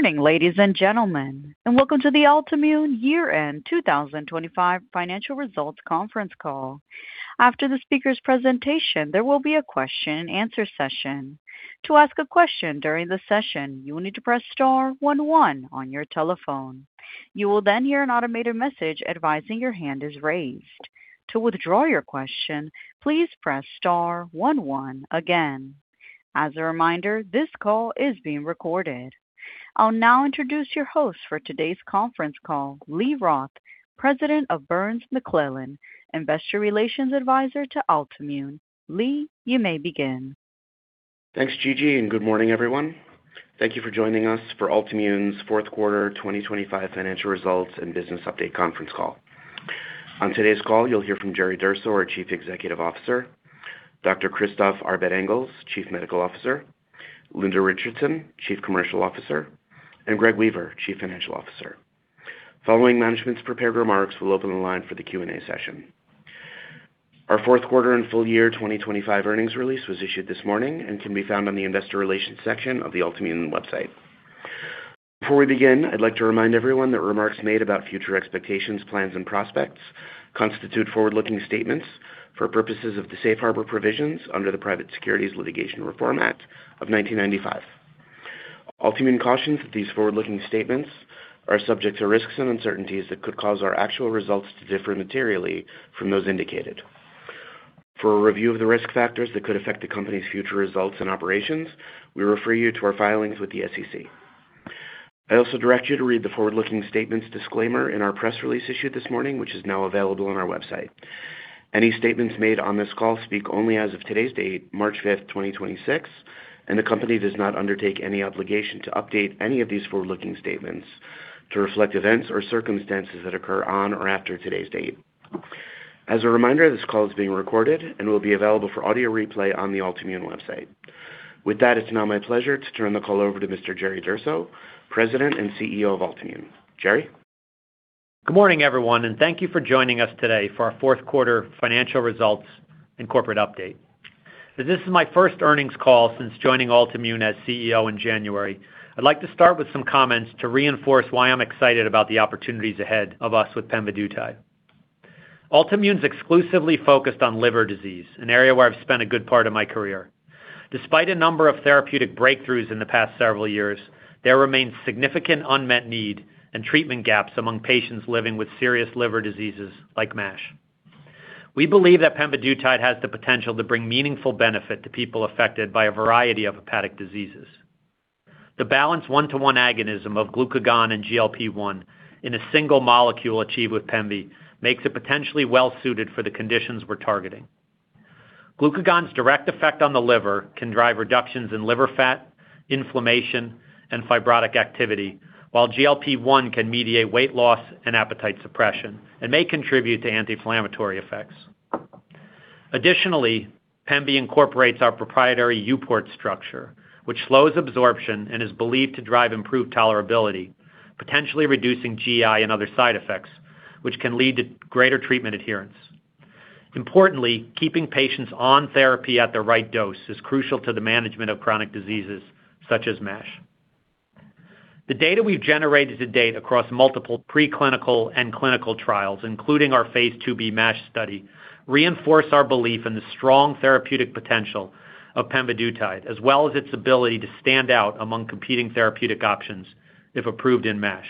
Good morning, ladies and gentlemen, welcome to the Altimmune Year-End 2025 Financial Results Conference Call. After the speaker's presentation, there will be a question and answer session. To ask a question during the session, you will need to press star one one on your telephone. You will hear an automated message advising your hand is raised. To withdraw your question, please press star one one again. As a reminder, this call is being recorded. I'll now introduce your host for today's conference call, Lee Roth, President of Burns McClellan, investor relations advisor to Altimmune. Lee, you may begin. Thanks, Gigi, and good morning, everyone. Thank you for joining us for Altimmune's fourth quarter 2025 financial results and business update conference call. On today's call, you'll hear from Jerry Durso, our Chief Executive Officer, Dr. Christophe Arbet-Engels, Chief Medical Officer, Linda Richardson, Chief Commercial Officer, and Greg Weaver, Chief Financial Officer. Following management's prepared remarks, we'll open the line for the Q&A session. Our fourth quarter and full year 2025 earnings release was issued this morning and can be found on the investor relations section of the Altimmune website. Before we begin, I'd like to remind everyone that remarks made about future expectations, plans, and prospects constitute forward-looking statements for purposes of the safe harbor provisions under the Private Securities Litigation Reform Act of 1995. Altimmune cautions that these forward-looking statements are subject to risks and uncertainties that could cause our actual results to differ materially from those indicated. For a review of the risk factors that could affect the company's future results and operations, we refer you to our filings with the SEC. I also direct you to read the forward-looking statements disclaimer in our press release issued this morning, which is now available on our website. Any statements made on this call speak only as of today's date, March 5th, 2026, and the company does not undertake any obligation to update any of these forward-looking statements to reflect events or circumstances that occur on or after today's date. As a reminder, this call is being recorded and will be available for audio replay on the Altimmune website. With that, it's now my pleasure to turn the call over to Mr. Jerry Durso, President and CEO of Altimmune. Jerry? Good morning, everyone, and thank you for joining us today for our fourth quarter financial results and corporate update. This is my first earnings call since joining Altimmune as CEO in January. I'd like to start with some comments to reinforce why I'm excited about the opportunities ahead of us with pemvidutide. Altimmune's exclusively focused on liver disease, an area where I've spent a good part of my career. Despite a number of therapeutic breakthroughs in the past several years, there remains significant unmet need and treatment gaps among patients living with serious liver diseases like MASH. We believe that pemvidutide has the potential to bring meaningful benefit to people affected by a variety of hepatic diseases. The balanced one-to-one agonism of glucagon and GLP-1 in a single molecule achieved with pemvi makes it potentially well-suited for the conditions we're targeting. Glucagon's direct effect on the liver can drive reductions in liver fat, inflammation, and fibrotic activity, while GLP-1 can mediate weight loss and appetite suppression and may contribute to anti-inflammatory effects. Additionally, pemvi incorporates our proprietary uPort structure, which slows absorption and is believed to drive improved tolerability, potentially reducing GI and other side effects, which can lead to greater treatment adherence. Importantly, keeping patients on therapy at the right dose is crucial to the management of chronic diseases such as MASH. The data we've generated to date across multiple preclinical and clinical trials, including our phase 2b MASH study, reinforce our belief in the strong therapeutic potential of pemvidutide, as well as its ability to stand out among competing therapeutic options if approved in MASH.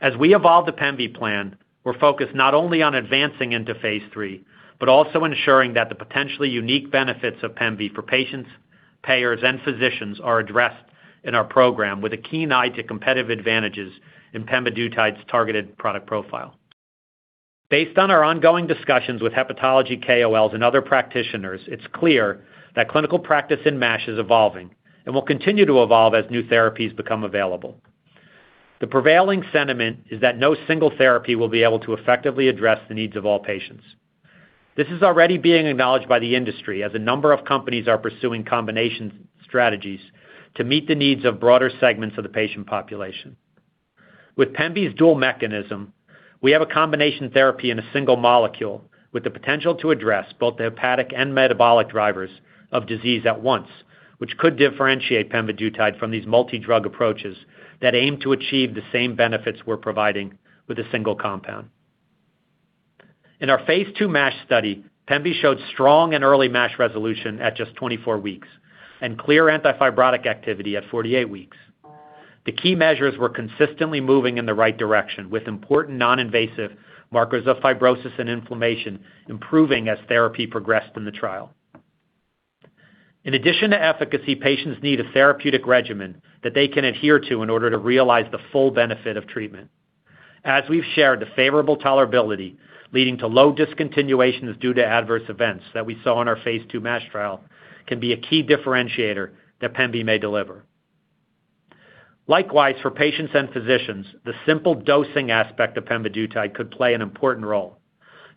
As we evolve the pemvi plan, we're focused not only on advancing into phase 3, but also ensuring that the potentially unique benefits of pemvi for patients, payers, and physicians are addressed in our program with a keen eye to competitive advantages in pemvidutide's targeted product profile. Based on our ongoing discussions with hepatology KOLs and other practitioners, it's clear that clinical practice in MASH is evolving and will continue to evolve as new therapies become available. The prevailing sentiment is that no single therapy will be able to effectively address the needs of all patients. This is already being acknowledged by the industry as a number of companies are pursuing combination strategies to meet the needs of broader segments of the patient population. With pemvi's dual mechanism, we have a combination therapy in a single molecule with the potential to address both the hepatic and metabolic drivers of disease at once, which could differentiate pemvidutide from these multi-drug approaches that aim to achieve the same benefits we're providing with a single compound. In our phase 2 MASH study, pemvi showed strong and early MASH resolution at just 24 weeks and clear anti-fibrotic activity at 48 weeks. The key measures were consistently moving in the right direction, with important non-invasive markers of fibrosis and inflammation improving as therapy progressed in the trial. In addition to efficacy, patients need a therapeutic regimen that they can adhere to in order to realize the full benefit of treatment. As we've shared, the favorable tolerability leading to low discontinuations due to adverse events that we saw in our phase 2 MASH trial can be a key differentiator that pemvi may deliver. Likewise, for patients and physicians, the simple dosing aspect of pemvidutide could play an important role.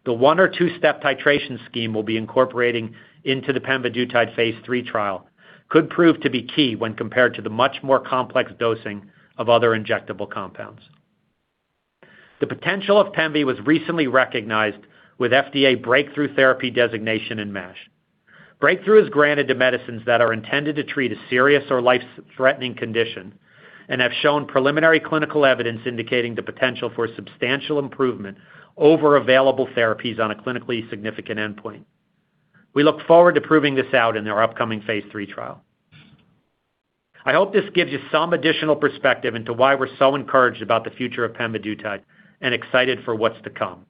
The one or two-step titration scheme we'll be incorporating into the pemvidutide phase 3 trial could prove to be key when compared to the much more complex dosing of other injectable compounds. The potential of pemvi was recently recognized with FDA Breakthrough Therapy designation in MASH. Breakthrough is granted to medicines that are intended to treat a serious or life-threatening condition and have shown preliminary clinical evidence indicating the potential for substantial improvement over available therapies on a clinically significant endpoint. We look forward to proving this out in our upcoming phase 3 trial. I hope this gives you some additional perspective into why we're so encouraged about the future of pemvidutide and excited for what's to come.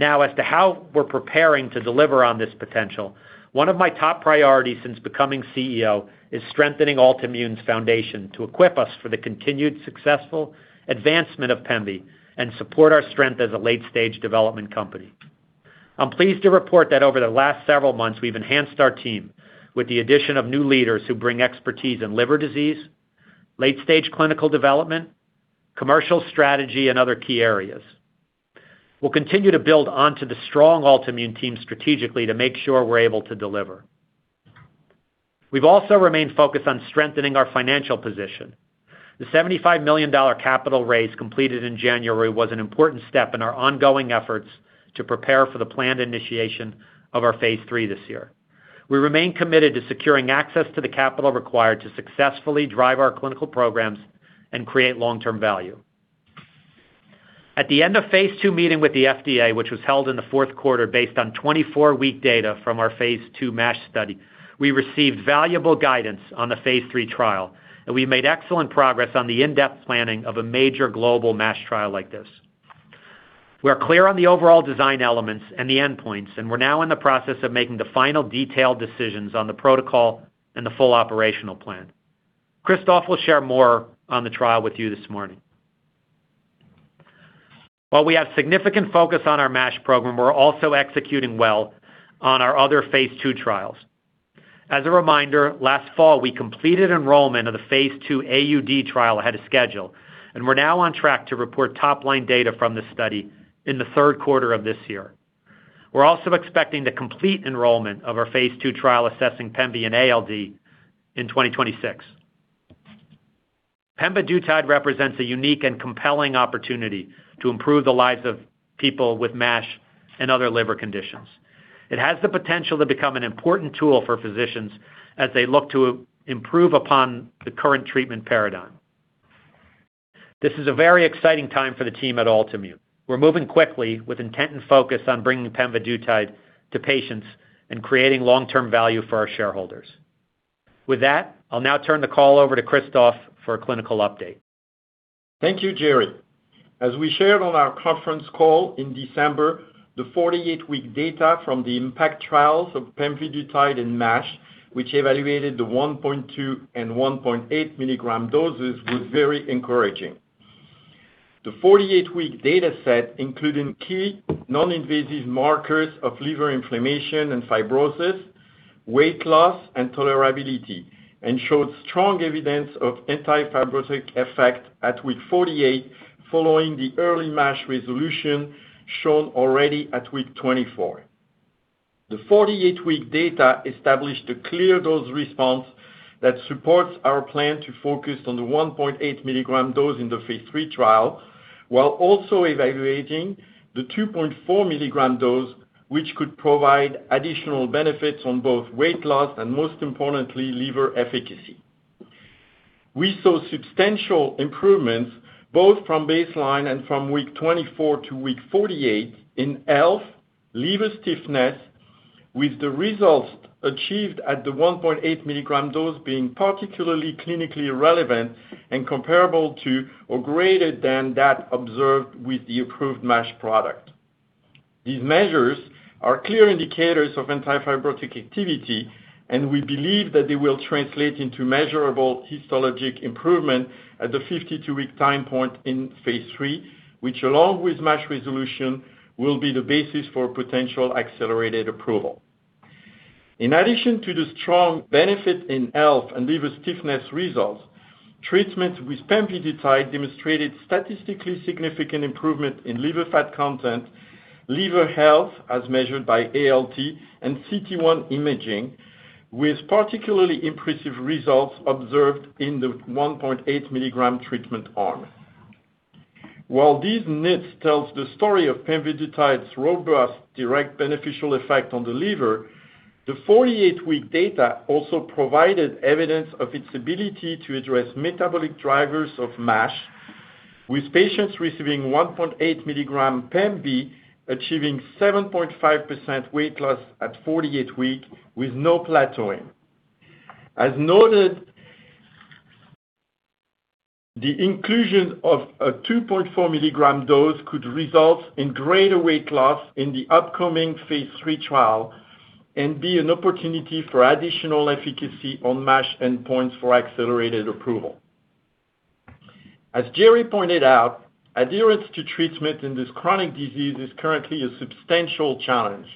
As to how we're preparing to deliver on this potential, one of my top priorities since becoming CEO is strengthening Altimmune's foundation to equip us for the continued successful advancement of pemvi and support our strength as a late-stage development company. I'm pleased to report that over the last several months, we've enhanced our team with the addition of new leaders who bring expertise in liver disease, late-stage clinical development, commercial strategy, and other key areas. We'll continue to build onto the strong Altimmune team strategically to make sure we're able to deliver. We've also remained focused on strengthening our financial position. The $75 million capital raise completed in January was an important step in our ongoing efforts to prepare for the planned initiation of our phase 3 this year. We remain committed to securing access to the capital required to successfully drive our clinical programs and create long-term value. At the end of phase 2 meeting with the FDA, which was held in the fourth quarter based on 24-week data from our phase 2 MASH study, we received valuable guidance on the phase 3 trial, and we made excellent progress on the in-depth planning of a major global MASH trial like this. We are clear on the overall design elements and the endpoints, we're now in the process of making the final detailed decisions on the protocol and the full operational plan. Christophe will share more on the trial with you this morning. While we have significant focus on our MASH program, we're also executing well on our other phase 2 trials. As a reminder, last fall, we completed enrollment of the phase 2 AUD trial ahead of schedule, and we're now on track to report top-line data from this study in the third quarter of this year. We're also expecting the complete enrollment of our phase 2 trial assessing pemvi in ALD in 2026. pemvidutide represents a unique and compelling opportunity to improve the lives of people with MASH and other liver conditions. It has the potential to become an important tool for physicians as they look to improve upon the current treatment paradigm. This is a very exciting time for the team at Altimmune. We're moving quickly with intent and focus on bringing pemvidutide to patients and creating long-term value for our shareholders. With that, I'll now turn the call over to Christophe for a clinical update. Thank you, Jerry. As we shared on our conference call in December, the 48-week data from the IMPACT trials of pemvidutide in MASH, which evaluated the 1.2 mg and 1.8 mg doses, was very encouraging. The 48-week data set, including key non-invasive markers of liver inflammation and fibrosis, weight loss and tolerability, and showed strong evidence of anti-fibrotic effect at week 48, following the early MASH resolution shown already at week 24. The 48-week data established a clear dose response that supports our plan to focus on the 1.8 mg dose in the phase III trial, while also evaluating the 2.4 mg dose, which could provide additional benefits on both weight loss and most importantly, liver efficacy. We saw substantial improvements both from baseline and from week 24 to week 48 in ELF, liver stiffness, with the results achieved at the 1.8 mg dose being particularly clinically relevant and comparable to or greater than that observed with the approved MASH product. These measures are clear indicators of anti-fibrotic activity. We believe that they will translate into measurable histologic improvement at the 52-week time point in phase III, which, along with MASH resolution, will be the basis for potential accelerated approval. In addition to the strong benefit in ELF and liver stiffness results, treatment with pemvidutide demonstrated statistically significant improvement in liver fat content, liver health as measured by ALT and cT1 imaging, with particularly impressive results observed in the 1.8 mg treatment arm. While these NIDDs tells the story of pemvidutide's robust direct beneficial effect on the liver, the 48-week data also provided evidence of its ability to address metabolic drivers of MASH with patients receiving 1.8 mg pemvi, achieving 7.5% weight loss at 48 week with no plateauing. As noted, the inclusion of a 2.4 mg dose could result in greater weight loss in the upcoming phase III trial and be an opportunity for additional efficacy on MASH endpoints for accelerated approval. As Jerry pointed out, adherence to treatment in this chronic disease is currently a substantial challenge.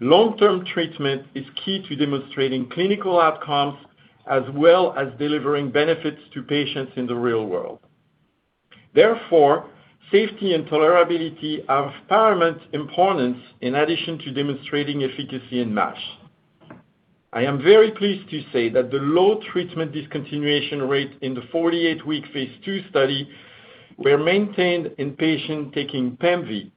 Long-term treatment is key to demonstrating clinical outcomes as well as delivering benefits to patients in the real world. Therefore, safety and tolerability are of paramount importance in addition to demonstrating efficacy in MASH. I am very pleased to say that the low treatment discontinuation rate in the 48-week phase II study were maintained in patient taking PEMV.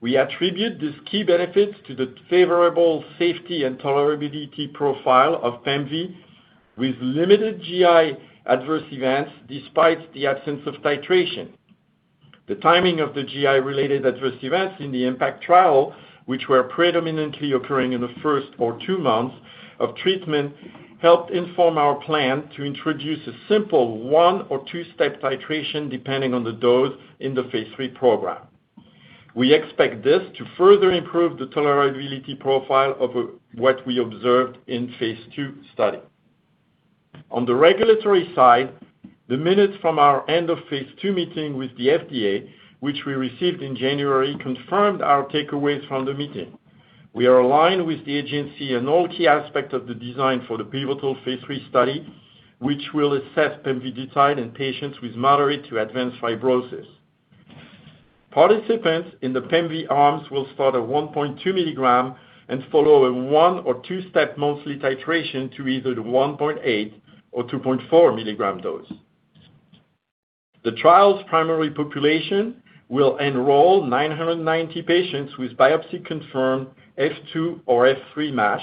We attribute this key benefits to the favorable safety and tolerability profile of PEMV, with limited GI adverse events despite the absence of titration. The timing of the GI-related adverse events in the IMPACT trial, which were predominantly occurring in the first or two months of treatment, helped inform our plan to introduce a simple one or two-step titration depending on the dose in the phase III program. We expect this to further improve the tolerability profile of what we observed in phase II study. On the regulatory side, the minutes from our end of phase 2 meeting with the FDA, which we received in January, confirmed our takeaways from the meeting. We are aligned with the agency on all key aspect of the design for the pivotal phase III study, which will assess pemvidutide in patients with moderate to advanced fibrosis. Participants in the pemv arms will start at 1.2 mg and follow a one or two-step mostly titration to either the 1.8 mg or 2.4 mg dose. The trial's primary population will enroll 990 patients with biopsy-confirmed F2 or F3 MASH,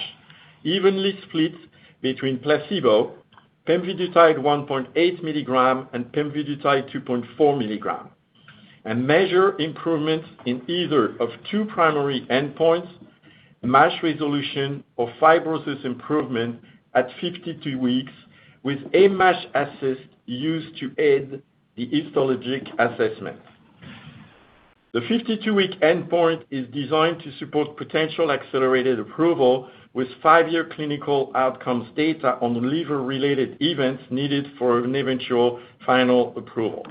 evenly split between placebo, pemvidutide 1.8 mgand pemvidutide 2.4mg. Measure improvements in either of two primary endpoints, MASH resolution or fibrosis improvement at 52 weeks, with a MASH assist used to aid the histologic assessment. The 52-week endpoint is designed to support potential Accelerated Approval with five-year clinical outcomes data on liver-related events needed for an eventual final approval.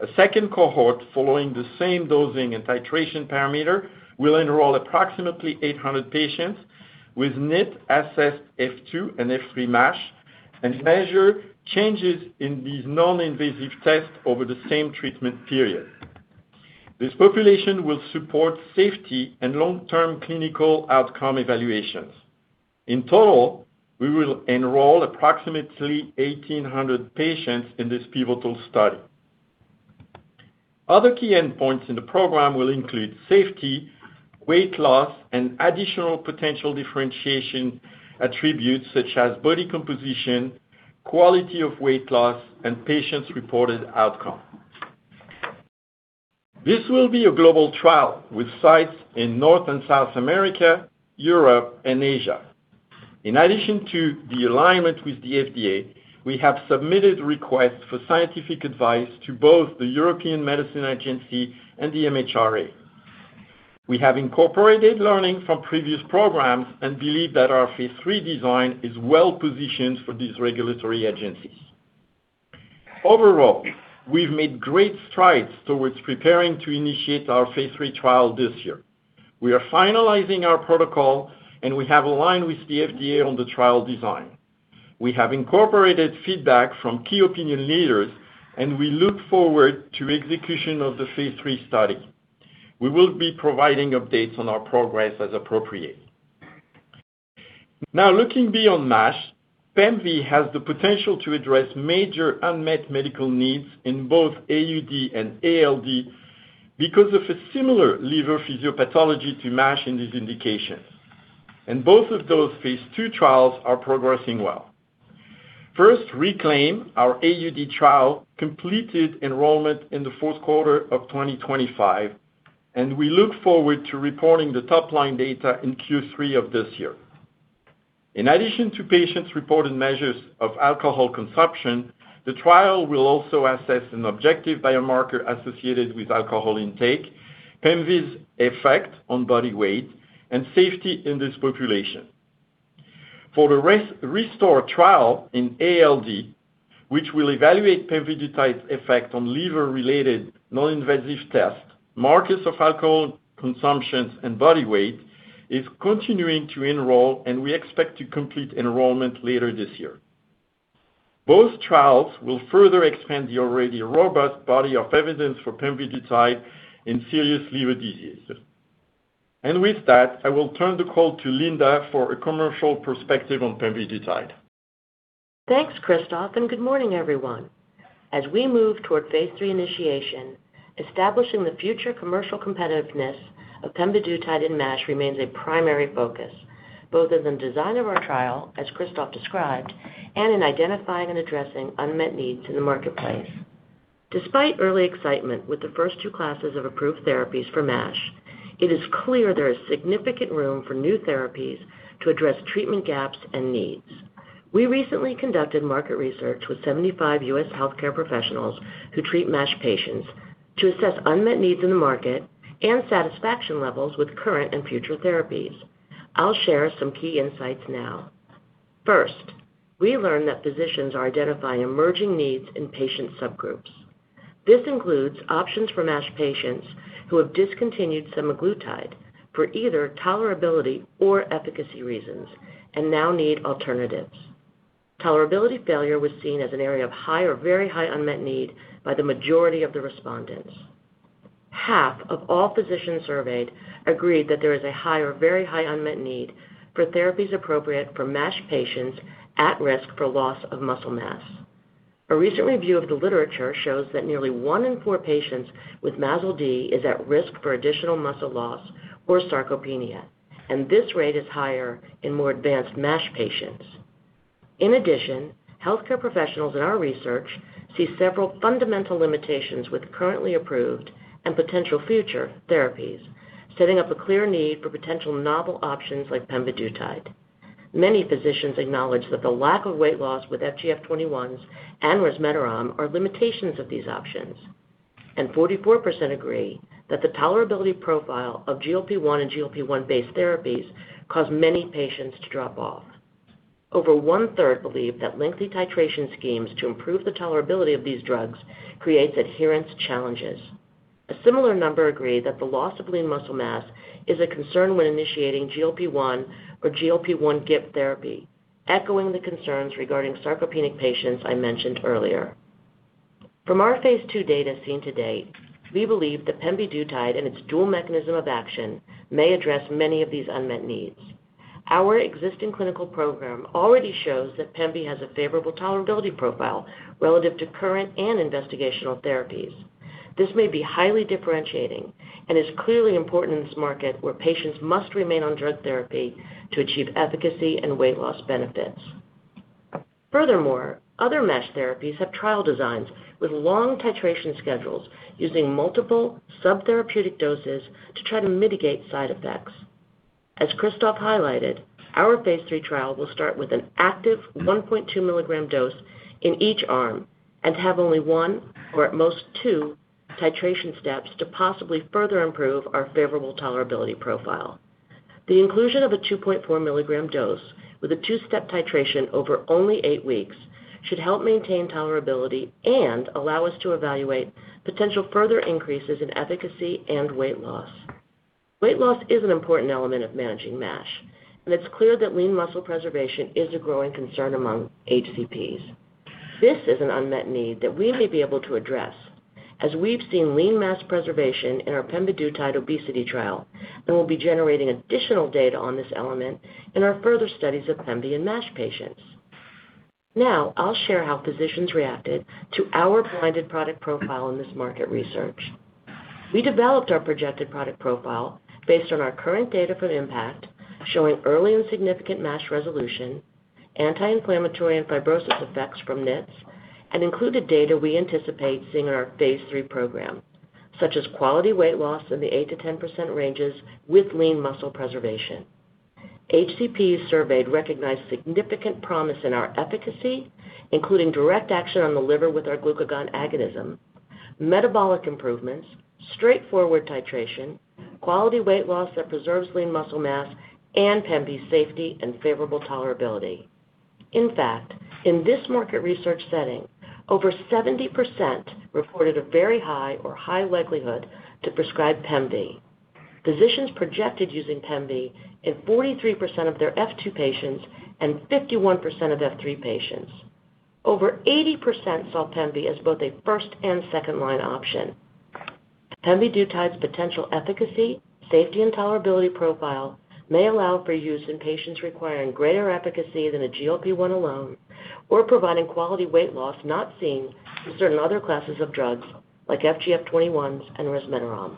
A second cohort following the same dosing and titration parameter will enroll approximately 800 patients with NIT-assessed F2 and F3 MASH, and measure changes in these non-invasive tests over the same treatment period. This population will support safety and long-term clinical outcome evaluations. In total, we will enroll approximately 1,800 patients in this pivotal study. Other key endpoints in the program will include safety, weight loss, and additional potential differentiation attributes such as body composition, quality of weight loss, and patient-reported outcome. This will be a global trial with sites in North and South America, Europe, and Asia. In addition to the alignment with the FDA, we have submitted requests for scientific advice to both the European Medicines Agency and the MHRA. We have incorporated learning from previous programs and believe that our phase III design is well-positioned for these regulatory agencies. Overall, we've made great strides towards preparing to initiate our phase III trial this year. We are finalizing our protocol, and we have aligned with the FDA on the trial design. We have incorporated feedback from Key Opinion Leaders, and we look forward to execution of the phase III study. We will be providing updates on our progress as appropriate. Looking beyond MASH, pemv has the potential to address major unmet medical needs in both AUD and ALD because of a similar liver physiopathology to MASH in these indications. Both of those phase II trials are progressing well. First, RECLAIM, our AUD trial, completed enrollment in the fourth quarter of 2025. We look forward to reporting the top-line data in Q3 of this year. In addition to patients' reported measures of alcohol consumption, the trial will also assess an objective biomarker associated with alcohol intake, PEMV's effect on body weight, and safety in this population. For the RESTORE trial in ALD, which will evaluate pemvidutide's effect on liver-related non-invasive test, markers of alcohol consumptions and body weight is continuing to enroll, and we expect to complete enrollment later this year. Both trials will further expand the already robust body of evidence for pemvidutide in serious liver diseases. With that, I will turn the call to Linda for a commercial perspective on pemvidutide. Thanks, Christophe. Good morning, everyone. As we move toward phase III initiation, establishing the future commercial competitiveness of pemvidutide in MASH remains a primary focus, both in the design of our trial, as Christophe described, and in identifying and addressing unmet needs in the marketplace. Despite early excitement with the first two classes of approved therapies for MASH, it is clear there is significant room for new therapies to address treatment gaps and needs. We recently conducted market research with 75 U.S. healthcare professionals who treat MASH patients to assess unmet needs in the market and satisfaction levels with current and future therapies. I'll share some key insights now. First, we learned that physicians are identifying emerging needs in patient subgroups. This includes options for MASH patients who have discontinued semaglutide for either tolerability or efficacy reasons, and now need alternatives. Tolerability failure was seen as an area of high or very high unmet need by the majority of the respondents. Half of all physicians surveyed agreed that there is a high or very high unmet need for therapies appropriate for MASH patients at risk for loss of muscle mass. A recent review of the literature shows that nearly one in four patients with MASLD is at risk for additional muscle loss or sarcopenia, and this rate is higher in more advanced MASH patients. In addition, healthcare professionals in our research see several fundamental limitations with currently approved and potential future therapies, setting up a clear need for potential novel options like pemvidutide. Many physicians acknowledge that the lack of weight loss with FGF21s and resmetirom are limitations of these options, and 44% agree that the tolerability profile of GLP-1 and GLP-1 based therapies cause many patients to drop off. Over 1/3 believe that lengthy titration schemes to improve the tolerability of these drugs creates adherence challenges. A similar number agree that the loss of lean muscle mass is a concern when initiating GLP-1 or GLP-1 GIP therapy, echoing the concerns regarding sarcopenic patients I mentioned earlier. From our phase II data seen to date, we believe that pemvidutide and its dual mechanism of action may address many of these unmet needs. Our existing clinical program already shows that pemvi has a favorable tolerability profile relative to current and investigational therapies. This may be highly differentiating and is clearly important in this market where patients must remain on drug therapy to achieve efficacy and weight loss benefits. Other MASH therapies have trial designs with long titration schedules using multiple subtherapeutic doses to try to mitigate side effects. As Christophe highlighted, our phase III trial will start with an active 1.2 mg dose in each arm and have only one or at most two titration steps to possibly further improve our favorable tolerability profile. The inclusion of a 2.4 mg dose with a two-step titration over only eight weeks should help maintain tolerability and allow us to evaluate potential further increases in efficacy and weight loss. Weight loss is an important element of managing MASH, and it's clear that lean muscle preservation is a growing concern among HCPs. This is an unmet need that we may be able to address, as we've seen lean mass preservation in our pemvidutide obesity trial, and we'll be generating additional data on this element in our further studies of pemvi in MASH patients. Now, I'll share how physicians reacted to our blinded product profile in this market research. We developed our projected product profile based on our current data for the IMPACT, showing early and significant MASH resolution, anti-inflammatory and fibrosis effects from MASH, and included data we anticipate seeing in our phase III program, such as quality weight loss in the 8%-10% ranges with lean muscle preservation. HCPs surveyed recognized significant promise in our efficacy, including direct action on the liver with our glucagon agonism, metabolic improvements, straightforward titration, quality weight loss that preserves lean muscle mass, and pemvi's safety and favorable tolerability. In fact, in this market research setting, over 70% reported a very high or high likelihood to prescribe pemvi. Physicians projected using pemvi in 43% of their F2 patients and 51% of F3 patients. Over 80% saw pemvi as both a first and second-line option. Pemvidutide's potential efficacy, safety and tolerability profile may allow for use in patients requiring greater efficacy than a GLP-1 alone or providing quality weight loss not seen in certain other classes of drugs like FGF21s and resmetirom.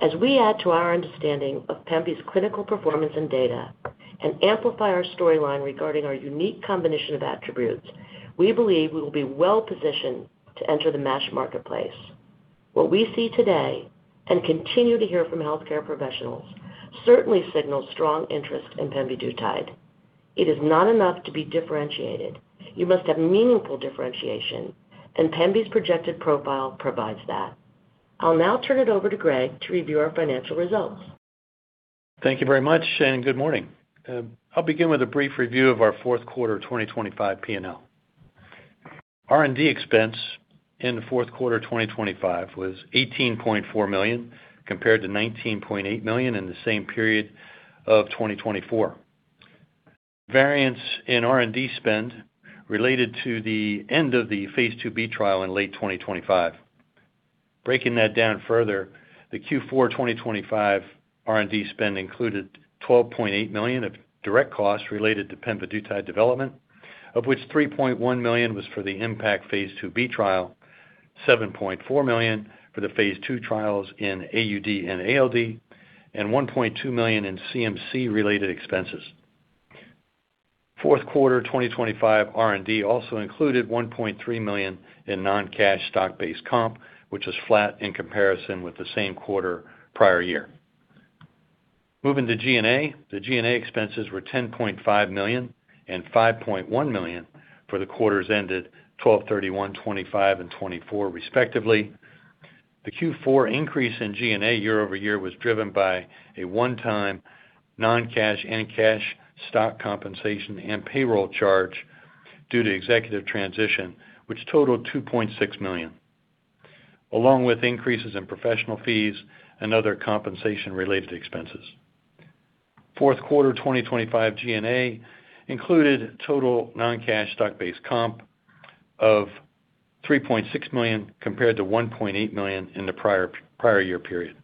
As we add to our understanding of pemvi's clinical performance and data and amplify our storyline regarding our unique combination of attributes, we believe we will be well-positioned to enter the MASH marketplace. What we see today and continue to hear from healthcare professionals certainly signals strong interest in pemvidutide. It is not enough to be differentiated. You must have meaningful differentiation. Pemvi's projected profile provides that. I'll now turn it over to Greg to review our financial results. Thank you very much, and good morning. I'll begin with a brief review of our fourth quarter 2025 P&L. R&D expense in the fourth quarter 2025 was $18.4 million, compared to $19.8 million in the same period of 2024. Variance in R&D spend related to the end of the phase 11-B trial in late 2025. Breaking that down further, the Q4 2025 R&D spend included $12.8 million of direct costs related to pemvidutide development, of which $3.1 million was for the IMPACT phase II-B trial, $7.4 million for the phase II trials in AUD and ALD, and $1.2 million in CMC-related expenses. Fourth quarter 2025 R&D also included $1.3 million in non-cash stock-based comp, which was flat in comparison with the same quarter prior year. Moving to G&A. The G&A expenses were $10.5 million and $5.1 million for the quarters ended 12/31/2025 and 2024 respectively. The Q4 increase in G&A year-over-year was driven by a one-time non-cash and cash stock compensation and payroll charge due to executive transition, which totaled $2.6 million, along with increases in professional fees and other compensation related expenses. Fourth quarter 2025 G&A included total non-cash stock-based comp of $3.6 million compared to $1.8 million in the prior year period.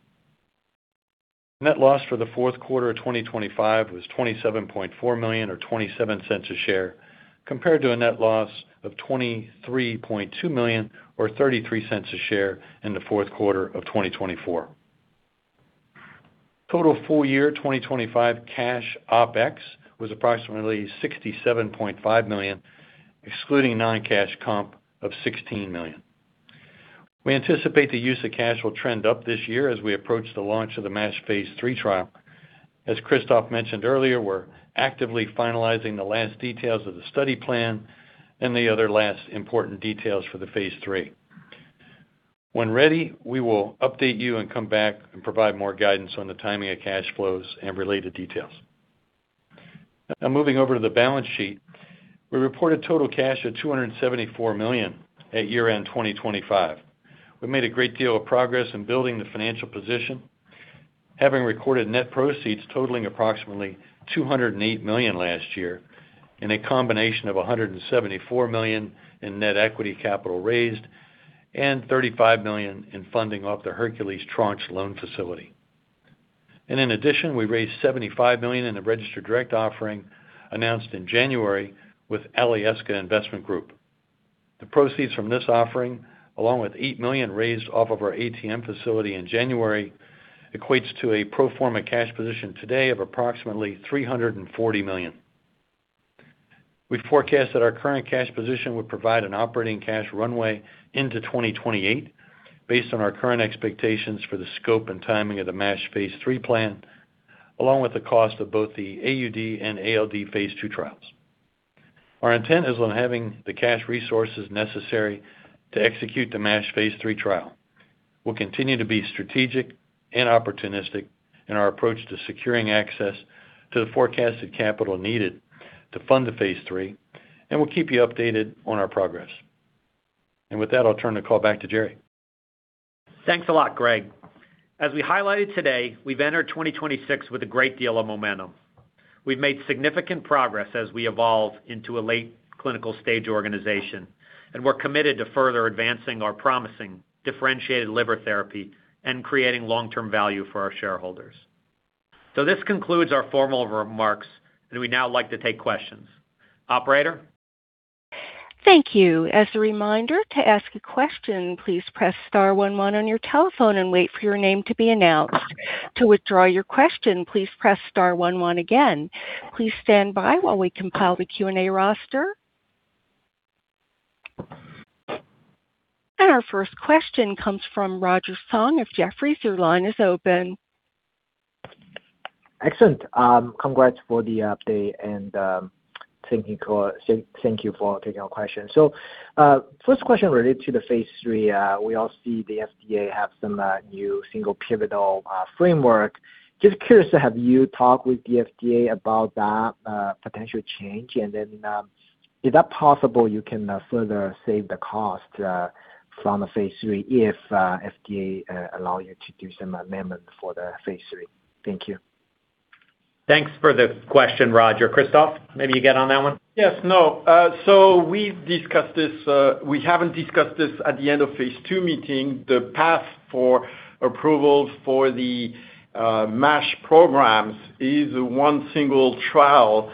Net loss for the fourth quarter 2025 was $27.4 million or $0.27 a share, compared to a net loss of $23.2 million or $0.33 a share in the fourth quarter of 2024. Total full year 2025 cash OpEx was approximately $67.5 million, excluding non-cash comp of $16 million. We anticipate the use of cash will trend up this year as we approach the launch of the MASH phase III trial. As Christophe mentioned earlier, we're actively finalizing the last details of the study plan and the other last important details for the phase III. When ready, we will update you and come back and provide more guidance on the timing of cash flows and related details. Moving over to the balance sheet. We reported total cash of $274 million at year-end 2025. We made a great deal of progress in building the financial position, having recorded net proceeds totaling approximately $208 million last year in a combination of $174 million in net equity capital raised and $35 million in funding off the Hercules tranche loan facility. In addition, we raised $75 million in the registered direct offering announced in January with Alyeska Investment Group. The proceeds from this offering, along with $8 million raised off of our ATM facility in January, equates to a pro forma cash position today of approximately $340 million. We forecast that our current cash position would provide an operating cash runway into 2028 based on our current expectations for the scope and timing of the MASH phase III plan, along with the cost of both the AUD and ALD phase II trials. Our intent is on having the cash resources necessary to execute the MASH phase III trial. We'll continue to be strategic and opportunistic in our approach to securing access to the forecasted capital needed to fund the phase III, and we'll keep you updated on our progress. With that, I'll turn the call back to Jerry. Thanks a lot, Greg. As we highlighted today, we've entered 2026 with a great deal of momentum. We've made significant progress as we evolve into a late clinical-stage organization, and we're committed to further advancing our promising differentiated liver therapy and creating long-term value for our shareholders. This concludes our formal remarks. We'd now like to take questions. Operator? Thank you. As a reminder to ask a question, please press star one one on your telephone and wait for your name to be announced. To withdraw your question, please press star one one again. Please stand by while we compile the Q&A roster. Our first question comes from Roger Song of Jefferies. Your line is open. Excellent. Congrats for the update and thank you for taking our question. First question related to the phase 3. We all see the FDA have some new single pivotal framework. Is that possible you can further save the cost from the phase 3 if FDA allow you to do some amendment for the phase 3? Thank you. Thanks for the question, Roger. Christophe, maybe you get on that one. Yes. No. We've discussed this, we haven't discussed this at the end of phase II meeting. The path for approval for the MASH programs is one single trial,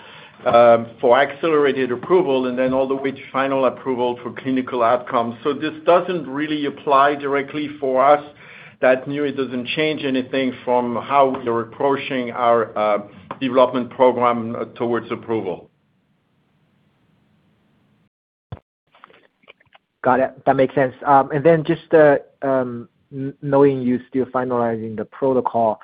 for accelerated approval and then all the way to final approval for clinical outcomes. This doesn't really apply directly for us. That really doesn't change anything from how we're approaching our development program towards approval. Got it. That makes sense. Just knowing you're still finalizing the protocol,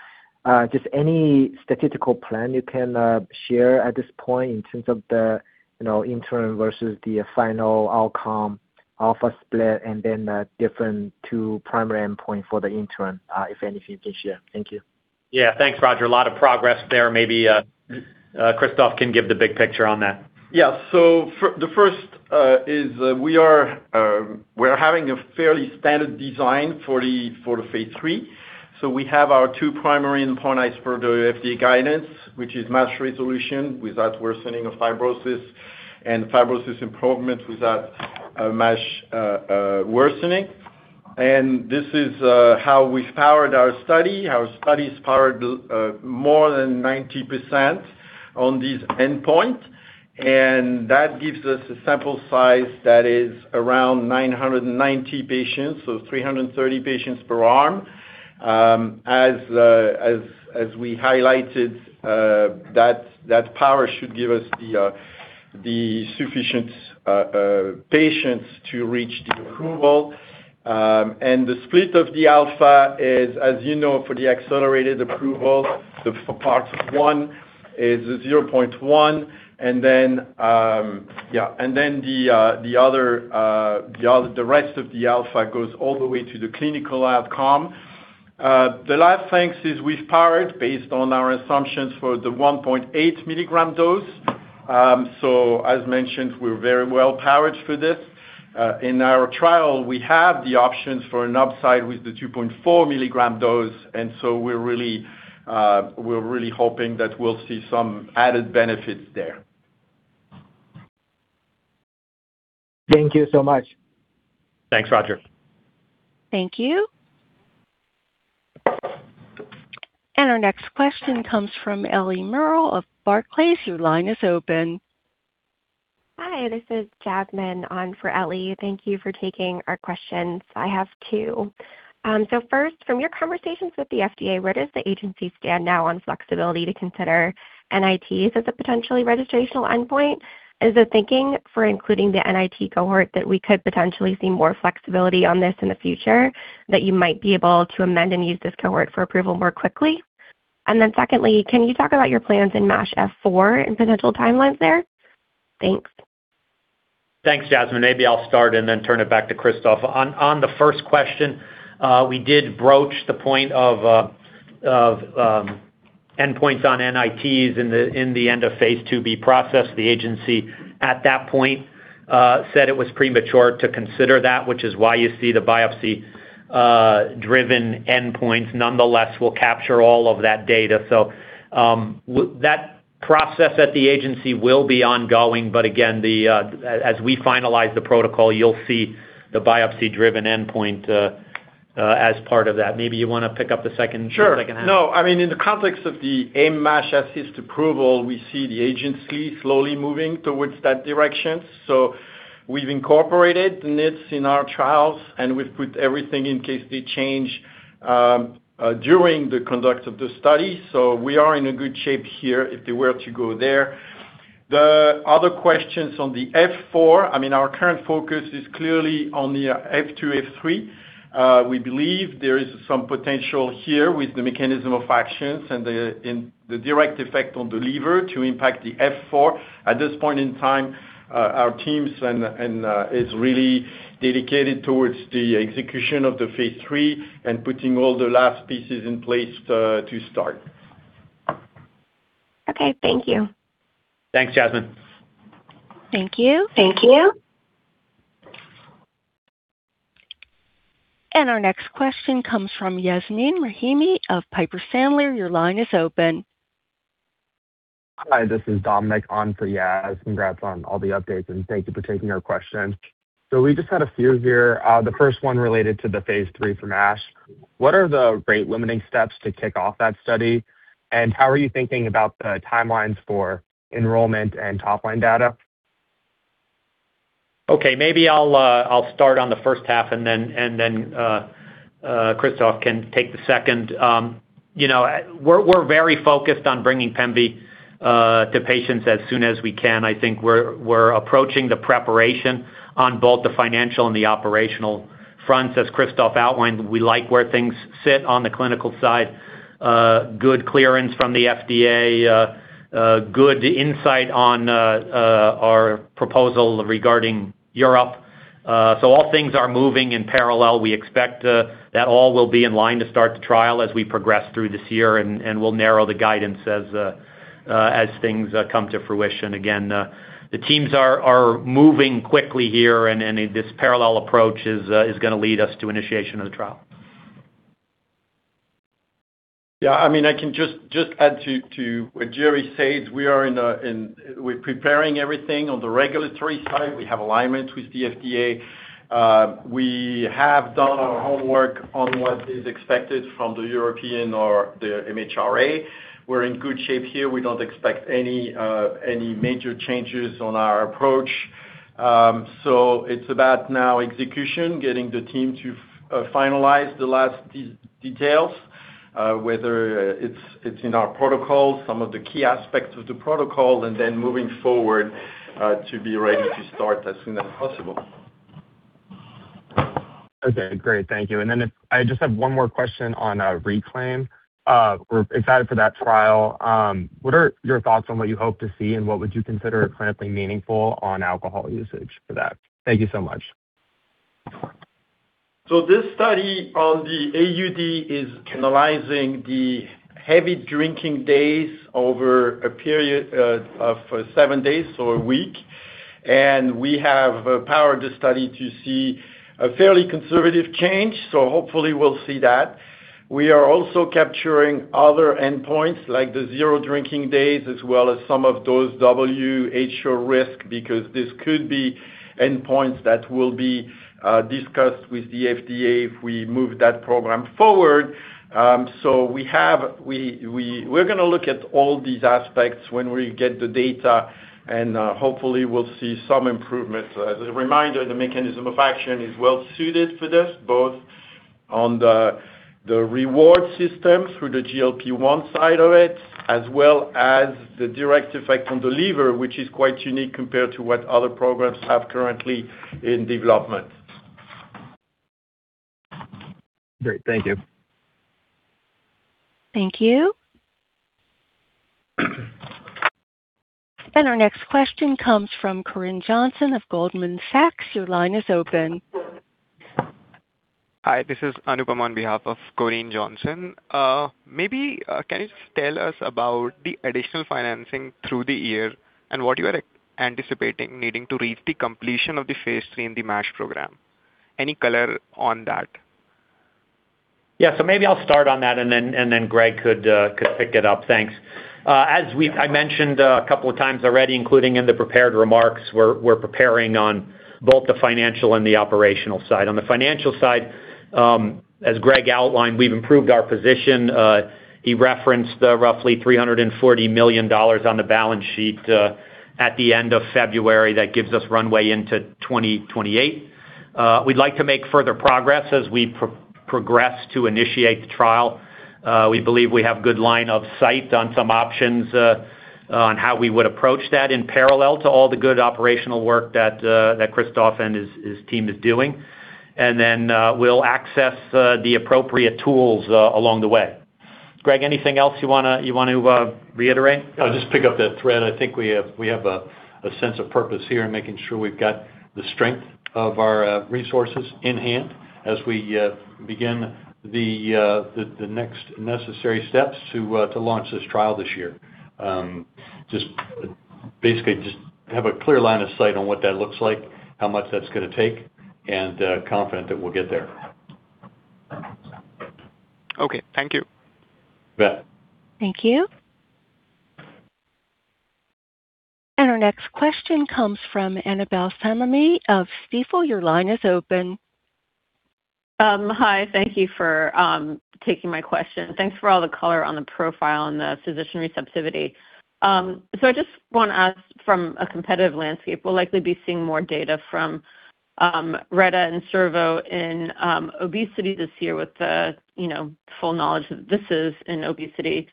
any statistical plan you can share at this point in terms of the, you know, interim versus the final outcome, alpha split, and then the different two primary endpoint for the interim, if anything you can share. Thank you. Yeah. Thanks, Roger. A lot of progress there. Maybe Christophe can give the big picture on that. Yeah. The first is, we are having a fairly standard design for the phase III. We have our two primary endpoints per the FDA guidance, which is MASH resolution without worsening of fibrosis and fibrosis improvement without MASH worsening. This is how we've powered our study. Our study is powered more than 90% on these endpoints, that gives us a sample size that is around 990 patients, so 330 patients per arm. As we highlighted, that power should give us the sufficient patients to reach the approval. The split of the alpha is, as you know, for the accelerated approval, for parts one is 0.1. Yeah. The rest of the alpha goes all the way to the clinical outcome. The last thing is we've powered based on our assumptions for the 1.8 mg dose. As mentioned, we're very well powered for this. In our trial, we have the options for an upside with the 2.4 mg dose, we're really hoping that we'll see some added benefits there. Thank you so much. Thanks, Roger. Thank you. Our next question comes from Elie Merle of Barclays. Your line is open. Hi, this is Jasmine on for Ellie. Thank you for taking our questions. I have two. First, from your conversations with the FDA, where does the agency stand now on flexibility to consider NIT as a potentially registrational endpoint? Is the thinking for including the NIT cohort that we could potentially see more flexibility on this in the future, that you might be able to amend and use this cohort for approval more quickly? Secondly, can you talk about your plans in MASH F4 and potential timelines there? Thanks. Thanks, Jasmine. Maybe I'll start and then turn it back to Christophe. On the first question, we did broach the point of endpoints on NITs in the end of phase II-B process. The agency at that point said it was premature to consider that, which is why you see the biopsy-driven endpoints. Nonetheless, we'll capture all of that data. That process at the agency will be ongoing, but again, the as we finalize the protocol, you'll see the biopsy-driven endpoint as part of that. Maybe you wanna pick up the second. Sure second half. No, I mean, in the context of the MASH assist approval, we see the agency slowly moving towards that direction. We've incorporated NITs in our trials, and we've put everything in case they change during the conduct of the study. We are in a good shape here if they were to go there. The other questions on the F4, I mean, our current focus is clearly on the F2, F3. We believe there is some potential here with the mechanism of actions and the direct effect on the liver to impact the F4. At this point in time, our teams and is really dedicated towards the execution of the phase III and putting all the last pieces in place to start. Okay. Thank you. Thanks, Jasmine. Thank you. Thank you. Our next question comes from Yasmeen Rahimi of Piper Sandler. Your line is open. Hi, this is Dominic on for Yas. Congrats on all the updates, and thank you for taking our question. We just had a few here. The first one related to the phase III for MASH. What are the rate-limiting steps to kick off that study, and how are you thinking about the timelines for enrollment and top-line data? Okay. Maybe I'll start on the first half, Christophe can take the second. You know, we're very focused on bringing pemvi to patients as soon as we can. I think we're approaching the preparation on both the financial and the operational fronts. As Christophe outlined, we like where things sit on the clinical side. Good clearance from the FDA, a good insight on our proposal regarding Europe. All things are moving in parallel. We expect that all will be in line to start the trial as we progress through this year, we'll narrow the guidance as things come to fruition. The teams are moving quickly here and this parallel approach is gonna lead us to initiation of the trial. Yeah, I mean, I can just add to what Jerry says. We're preparing everything on the regulatory side. We have alignment with the FDA. We have done our homework on what is expected from the European or the MHRA. We're in good shape here. We don't expect any major changes on our approach. It's about now execution, getting the team to finalize the last details, whether it's in our protocol, some of the key aspects of the protocol, moving forward to be ready to start as soon as possible. Okay. Great. Thank you. I just have one more question on RECLAIM. We're excited for that trial. What are your thoughts on what you hope to see, and what would you consider clinically meaningful on alcohol usage for that? Thank you so much. This study on the AUD is analyzing the heavy drinking days over a period of seven days, so a week. We have powered the study to see a fairly conservative change, so hopefully we'll see that. We are also capturing other endpoints like the zero drinking days as well as some of those WHO risk because these could be endpoints that will be discussed with the FDA if we move that program forward. We're going to look at all these aspects when we get the data and hopefully we'll see some improvements. As a reminder, the mechanism of action is well suited for this, both on the reward system through the GLP-1 side of it as well as the direct effect on the liver, which is quite unique compared to what other programs have currently in development. Great. Thank you. Thank you. Our next question comes from Corinne Johnson of Goldman Sachs. Your line is open. Hi, this is Anupam on behalf of Corinne Johnson. Maybe, can you just tell us about the additional financing through the year and what you are anticipating needing to reach the completion of the phase III in the MASH program? Any color on that? Maybe I'll start on that, and then Greg could pick it up. Thanks. As I mentioned a couple of times already, including in the prepared remarks, we're preparing on both the financial and the operational side. On the financial side, as Greg outlined, we've improved our position. He referenced the roughly $340 million on the balance sheet at the end of February. That gives us runway into 2028. We'd like to make further progress as we progress to initiate the trial. We believe we have good line of sight on some options on how we would approach that in parallel to all the good operational work that Christophe and his team is doing. We'll access the appropriate tools along the way. Greg, anything else you want to reiterate? I'll just pick up that thread. I think we have a sense of purpose here in making sure we've got the strength of our resources in hand as we begin the next necessary steps to launch this trial this year. just basically just have a clear line of sight on what that looks like, how much that's gonna take, and confident that we'll get there. Okay. Thank you. You bet. Thank you. Our next question comes from Annabel Samimy of Stifel. Your line is open. Hi. Thank you for taking my question. Thanks for all the color on the profile and the physician receptivity. I just wanna ask from a competitive landscape, we'll likely be seeing more data from retta and servo in obesity this year with the, you know, full knowledge that this is in obesity.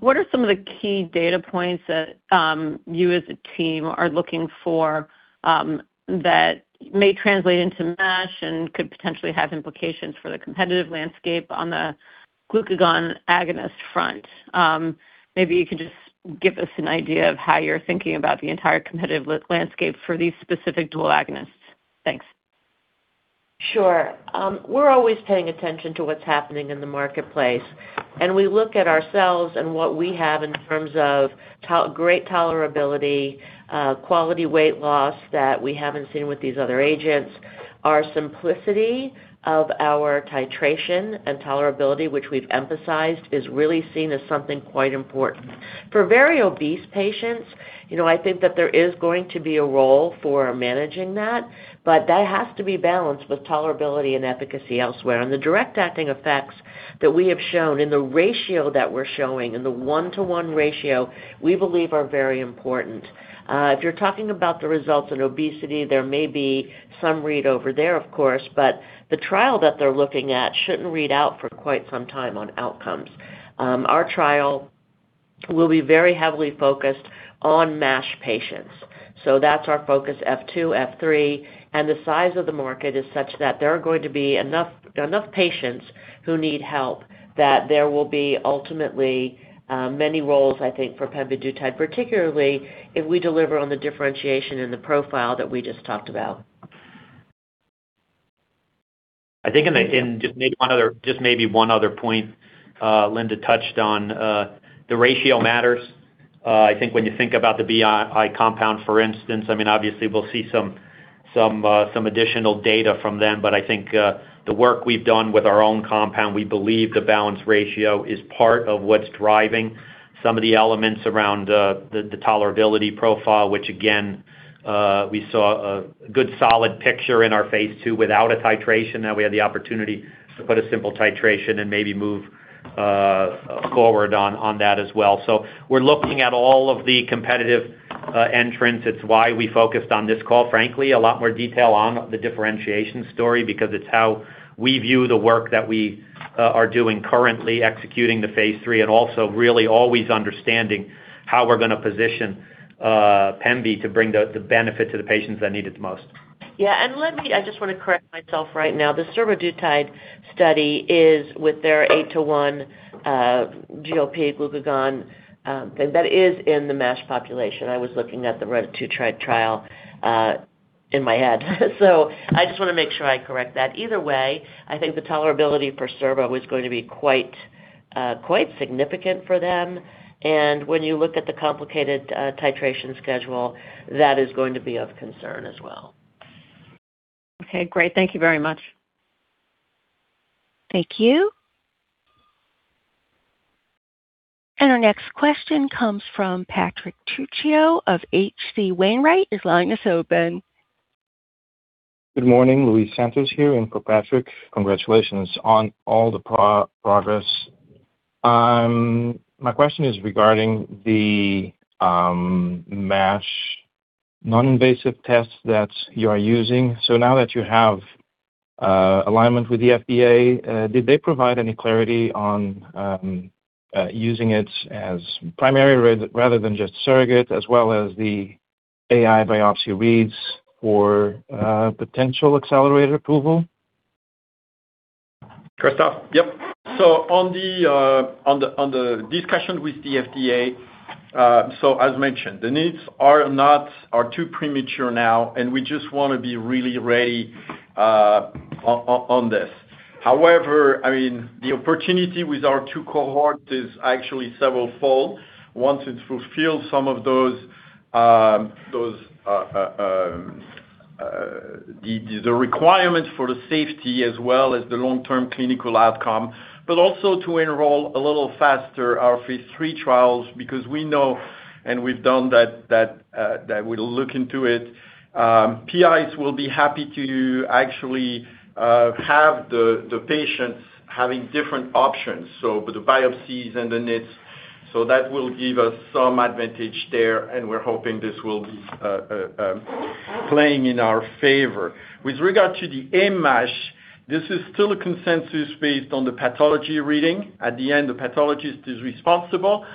What are some of the key data points that you as a team are looking for that may translate into MASH and could potentially have implications for the competitive landscape on the glucagon agonist front? Maybe you can just give us an idea of how you're thinking about the entire competitive landscape for these specific dual agonists. Thanks. Sure. We're always paying attention to what's happening in the marketplace, and we look at ourselves and what we have in terms of great tolerability, quality weight loss that we haven't seen with these other agents. Our simplicity of our titration and tolerability, which we've emphasized, is really seen as something quite important. For very obese patients, you know, I think that there is going to be a role for managing that, but that has to be balanced with tolerability and efficacy elsewhere. The direct acting effects that we have shown and the ratio that we're showing, and the one-to-one ratio, we believe are very important. If you're talking about the results in obesity, there may be some read over there, of course, but the trial that they're looking at shouldn't read out for quite some time on outcomes. Our trial will be very heavily focused on MASH patients, so that's our focus, F2, F3. The size of the market is such that there are going to be enough patients who need help that there will be ultimately many roles, I think, for pemvidutide, particularly if we deliver on the differentiation in the profile that we just talked about. Maybe one other point, Linda touched on, the ratio matters. I think when you think about the Boehringer Ingelheim compound, for instance, I mean, obviously we'll see some additional data from them. But I think the work we've done with our own compound, we believe the balance ratio is part of what's driving some of the elements around the tolerability profile, which again, we saw a good solid picture in our phase II without a titration. Now we have the opportunity to put a simple titration and maybe move forward on that as well. We're looking at all of the competitive entrants. It's why we focused on this call, frankly, a lot more detail on the differentiation story because it's how we view the work that we are doing currently executing the phase III and also really always understanding how we're gonna position pemvi to bring the benefit to the patients that need it the most. Yeah. Let me I just wanna correct myself right now. The survodutide study is with their eight to one GLP glucagon, and that is in the MASH population. I was looking at the retatrutide trial in my head. I just wanna make sure I correct that. Either way, I think the tolerability for Servo is going to be quite significant for them. When you look at the complicated titration schedule, that is going to be of concern as well. Okay, great. Thank you very much. Thank you. Our next question comes from Patrick Trucchio of H.C. Wainwright. His line is open. Good morning. Luis Santos here in for Patrick. Congratulations on all the pro-progress. My question is regarding the MASH non-invasive test that you are using. Now that you have alignment with the FDA, did they provide any clarity on using it as primary rather than just surrogate, as well as the AI biopsy reads for potential accelerated approval? Christophe. Yep. On the, on the, on the discussion with the FDA, as mentioned, the needs are not or too premature now, and we just wanna be really ready on this. However, the opportunity with our two cohort is actually severalfold. Once it fulfills some of those, the requirements for the safety as well as the long-term clinical outcome, but also to enroll a little faster our phase III trials because we know and we've done that we'll look into it. PIs will be happy to actually have the patients having different options, so with the biopsies and the NITs. That will give us some advantage there, and we're hoping this will be playing in our favor. With regard to the MASH, this is still a consensus based on the pathology reading. At the end, the pathologist is responsible.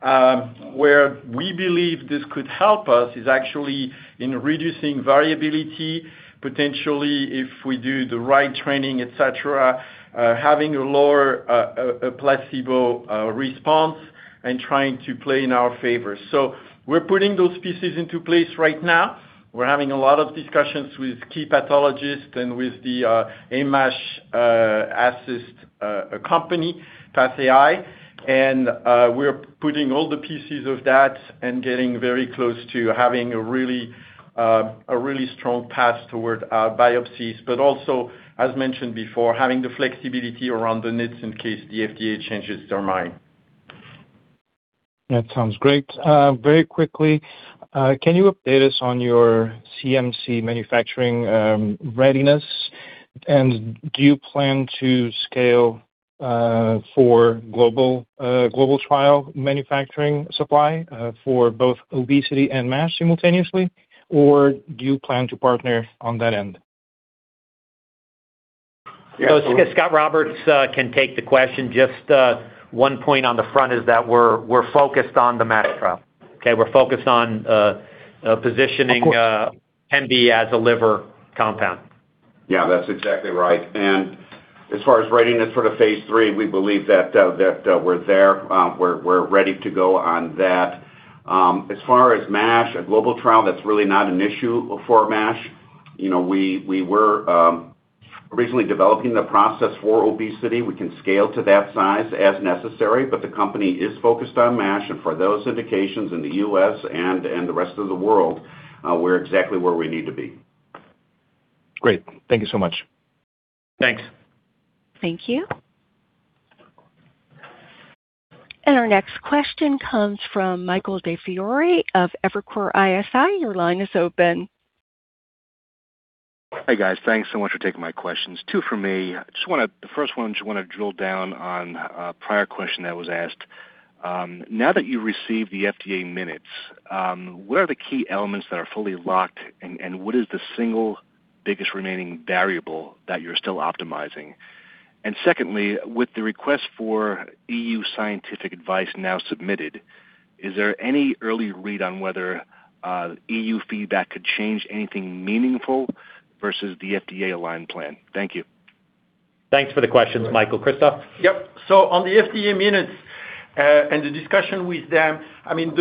Where we believe this could help us is actually in reducing variability, potentially if we do the right training, et cetera, having a lower placebo response and trying to play in our favor. We're putting those pieces into place right now. We're having a lot of discussions with key pathologists and with the AIM-MASH Assist company, PathAI. We're putting all the pieces of that and getting very close to having a really strong path toward biopsies, but also, as mentioned before, having the flexibility around the NIDDs in case the FDA changes their mind. That sounds great. very quickly, can you update us on your CMC manufacturing readiness? Do you plan to scale for global trial manufacturing supply for both obesity and MASH simultaneously? Or do you plan to partner on that end? Yeah- Scot Roberts can take the question. Just one point on the front is that we're focused on the MASH trial, okay? We're focused on positioning MB as a liver compound. Yeah, that's exactly right. As far as readiness for the phase III, we believe we're there. We're ready to go on that. As far as MASH, a global trial, that's really not an issue for MASH. You know, we were originally developing the process for obesity. We can scale to that size as necessary, but the company is focused on MASH and for those indications in the U.S. and the rest of the world, we're exactly where we need to be. Great. Thank you so much. Thanks. Thank you. Our next question comes from Michael DiFiore of Evercore ISI. Your line is open. Hi, guys. Thanks so much for taking my questions. Two for me. The first one, just wanna drill down on a prior question that was asked. Now that you've received the FDA minutes, what are the key elements that are fully locked, and what is the single biggest remaining variable that you're still optimizing? Secondly, with the request for EU scientific advice now submitted, is there any early read on whether EU feedback could change anything meaningful versus the FDA aligned plan? Thank you. Thanks for the questions, Michael. Christophe? Yep. On the FDA minutes, and the discussion with them, I mean,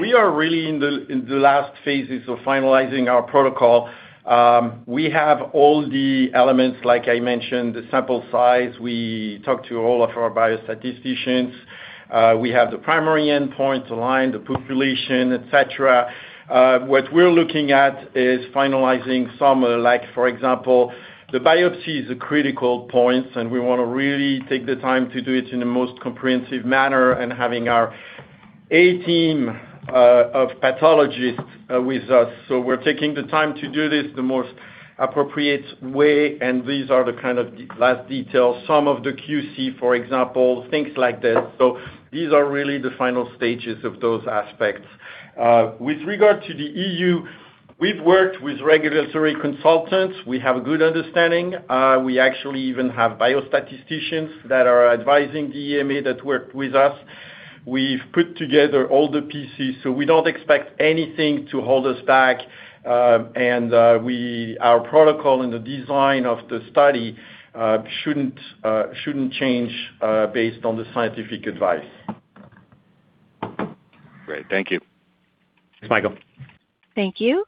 we are really in the last phases of finalizing our protocol. We have all the elements, like I mentioned, the sample size. We talked to all of our biostatisticians. We have the primary endpoints aligned, the population, et cetera. What we're looking at is finalizing some, like, for example, the biopsy is a critical point, and we wanna really take the time to do it in the most comprehensive manner and having our A team of pathologists with us. We're taking the time to do this the most appropriate way, and these are the kind of last details. Some of the QC, for example, things like this. These are really the final stages of those aspects. With regard to the EU, we've worked with regulatory consultants. We have a good understanding. We actually even have biostatisticians that are advising the EMA that work with us. We've put together all the pieces, so we don't expect anything to hold us back. Our protocol and the design of the study shouldn't change based on the scientific advice. Great. Thank you. Thanks, Michael. Thank you.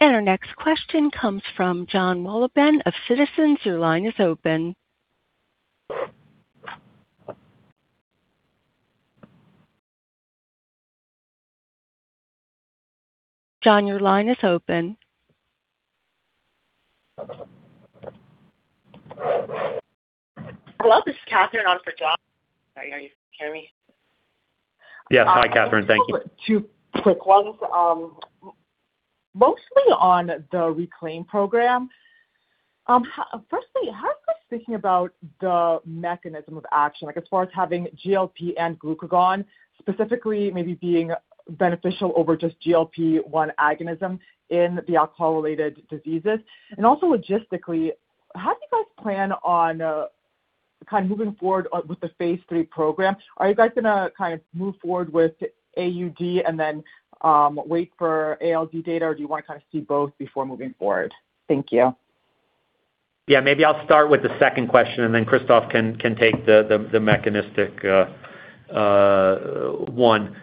Our next question comes from Jon Wolleben of Citizens. Your line is open. Jon, your line is open. Hello, this is Catherine on for Jon. Are you hearing me? Yes. Hi, Catherine. Thank you. Two quick ones. Mostly on the RECLAIM program. Firstly, how are you guys thinking about the mechanism of action, like as far as having GLP and glucagon, specifically maybe being beneficial over just GLP-1 agonism in the alcohol-related diseases? Also logistically, how do you guys plan on kind of moving forward with the phase III program? Are you guys going to kind of move forward with AUD and then wait for ALD data, or do you want to kind of see both before moving forward? Thank you. Yeah, maybe I'll start with the second question, and then Christophe can take the mechanistic one.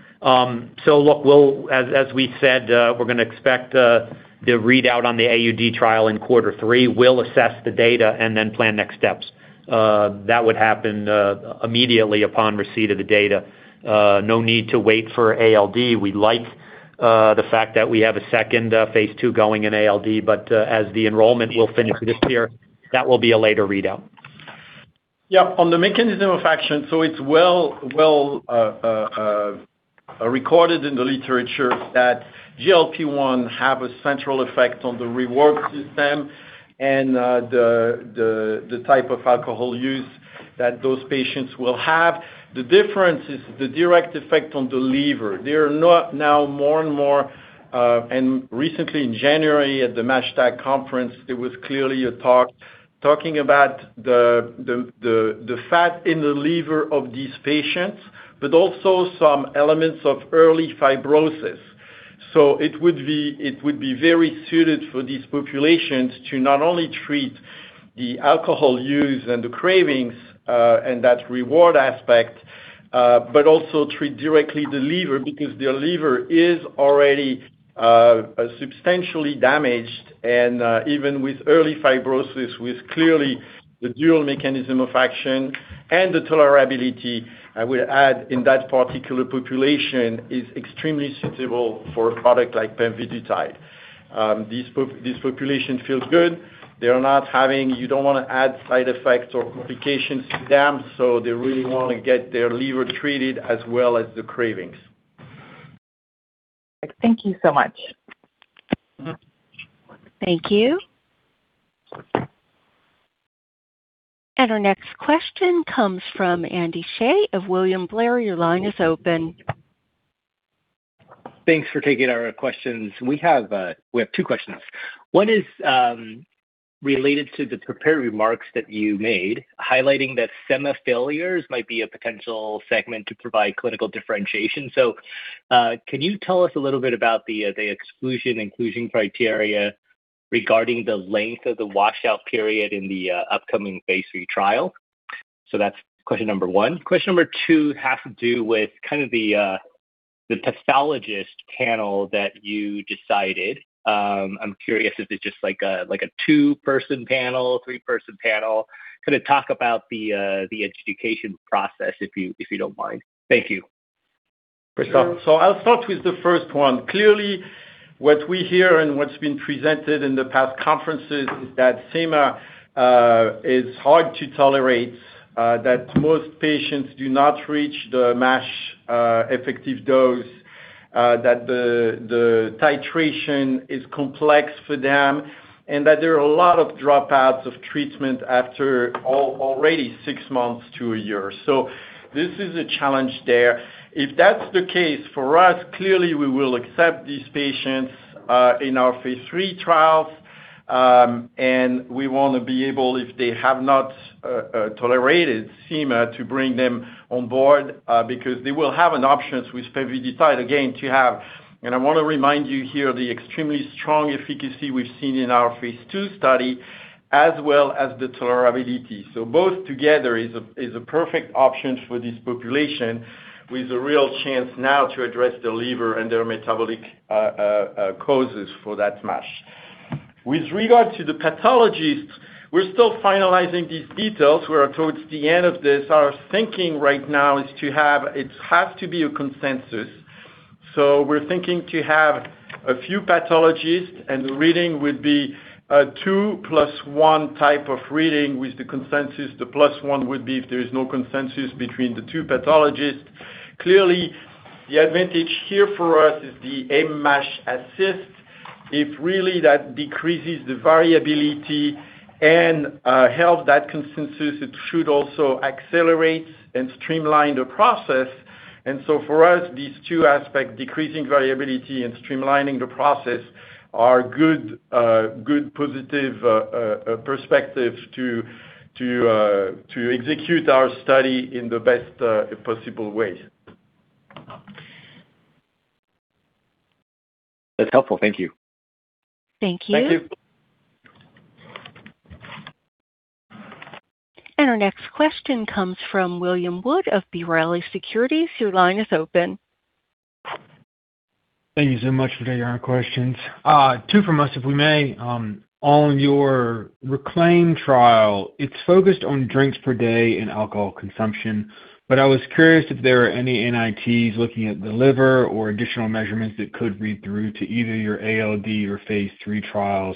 look, as we said, we're gonna expect the readout on the AUD trial in quarter three. We'll assess the data and then plan next steps. That would happen immediately upon receipt of the data. No need to wait for ALD. We like the fact that we have a second phase II going in ALD, but as the enrollment will finish this year, that will be a later readout. Yeah. On the mechanism of action, it's well recorded in the literature that GLP-1 have a central effect on the reward system and the type of alcohol use that those patients will have. The difference is the direct effect on the liver. They are not now more and more, and recently in January at the MASH-TAG Conference, there was clearly a talk talking about the fat in the liver of these patients, but also some elements of early fibrosis. It would be very suited for these populations to not only treat the alcohol use and the cravings, and that reward aspect, but also treat directly the liver because their liver is already substantially damaged. Even with early fibrosis, with clearly the dual mechanism of action and the tolerability, I will add in that particular population, is extremely suitable for a product like pemvidutide. This population feels good. They are not having you don't wanna add side effects or complications to them, so they really wanna get their liver treated as well as the cravings. Thank you so much. Thank you. Our next question comes from Andy Hsieh of William Blair. Your line is open. Thanks for taking our questions. We have two questions. One is related to the prepared remarks that you made highlighting that semaglutide failures might be a potential segment to provide clinical differentiation. Can you tell us a little bit about the exclusion inclusion criteria regarding the length of the washout period in the upcoming phase III trial? That's question one. Question number two has to do with the pathologist panel that you decided. I'm curious if it's just like a two-person panel, three-person panel. Kind of talk about the education process, if you don't mind. Thank you. I'll start with the first one. Clearly, what we hear and what's been presented in the past conferences is that SEMA is hard to tolerate, that most patients do not reach the MASH effective dose, that the titration is complex for them, and that there are a lot of dropouts of treatment after already six months to a year. This is a challenge there. If that's the case for us, clearly we will accept these patients in our phase III trials, and we wanna be able, if they have not tolerated SEMA, to bring them on board, because they will have an option with pemvidutide again to have... I want to remind you here the extremely strong efficacy we've seen in our phase II study as well as the tolerability. Both together is a perfect option for this population with a real chance now to address the liver and their metabolic causes for that MASH. With regard to the pathologists, we're still finalizing these details. We're towards the end of this. Our thinking right now, it has to be a consensus. We're thinking to have a few pathologists, and the reading would be a two plus one type of reading with the consensus. The plus one would be if there is no consensus between the two pathologists. Clearly, the advantage here for us is the AIM-MASH assist. If really that decreases the variability and helps that consensus, it should also accelerate and streamline the process. For us, these two aspects, decreasing variability and streamlining the process are good positive perspective to execute our study in the best possible way. That's helpful. Thank you. Thank you. Thank you. Our next question comes from William Wood of B. Riley Securities. Your line is open. Thank you so much for taking our questions. Two from us, if we may. On your RECLAIM trial, it's focused on drinks per day and alcohol consumption. I was curious if there are any NITs looking at the liver or additional measurements that could read through to either your ALD or phase III trials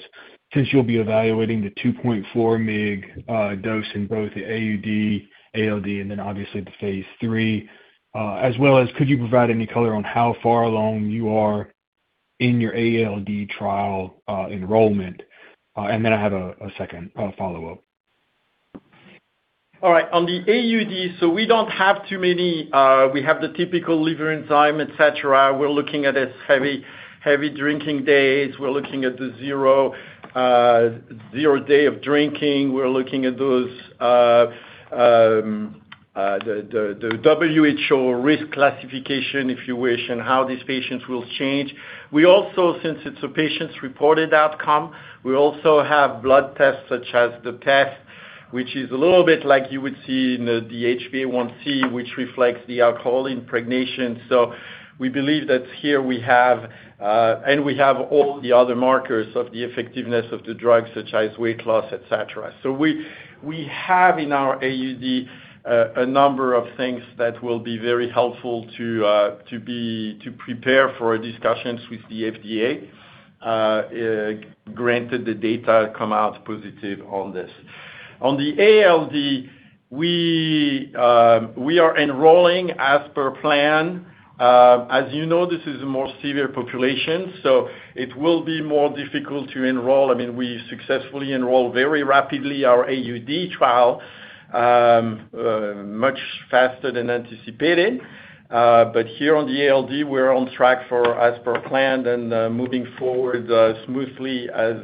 since you'll be evaluating the 2.4 mg dose in both the AUD, ALD, and then obviously the phase III. As well as could you provide any color on how far along you are in your ALD trial enrollment? Then I have a second follow-up. All right. On the AUD, we don't have too many, we have the typical liver enzyme, et cetera. We're looking at its heavy drinking days. We're looking at the zero day of drinking. We're looking at the WHO risk classification, if you wish, and how these patients will change. We also, since it's a patients reported outcome, we also have blood tests such as the test, which is a little bit like you would see in the HbA1c, which reflects the alcohol impregnation. We believe that here we have, and we have all the other markers of the effectiveness of the drug, such as weight loss, et cetera. We have in our AUD a number of things that will be very helpful to prepare for discussions with the FDA, granted the data come out positive on this. On the ALD, we are enrolling as per plan. As you know, this is a more severe population, so it will be more difficult to enroll. I mean, we successfully enroll very rapidly our AUD trial, much faster than anticipated. Here on the ALD, we're on track for as per planned and moving forward smoothly as.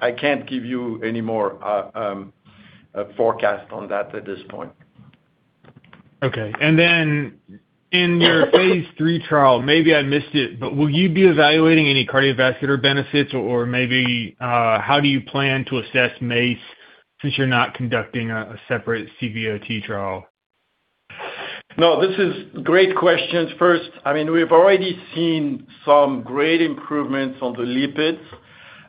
I can't give you any more forecast on that at this point. Okay. In your phase III trial, maybe I missed it, but will you be evaluating any cardiovascular benefits or maybe, how do you plan to assess MACE since you're not conducting a separate CVOT trial? This is great questions. First, I mean, we've already seen some great improvements on the lipids.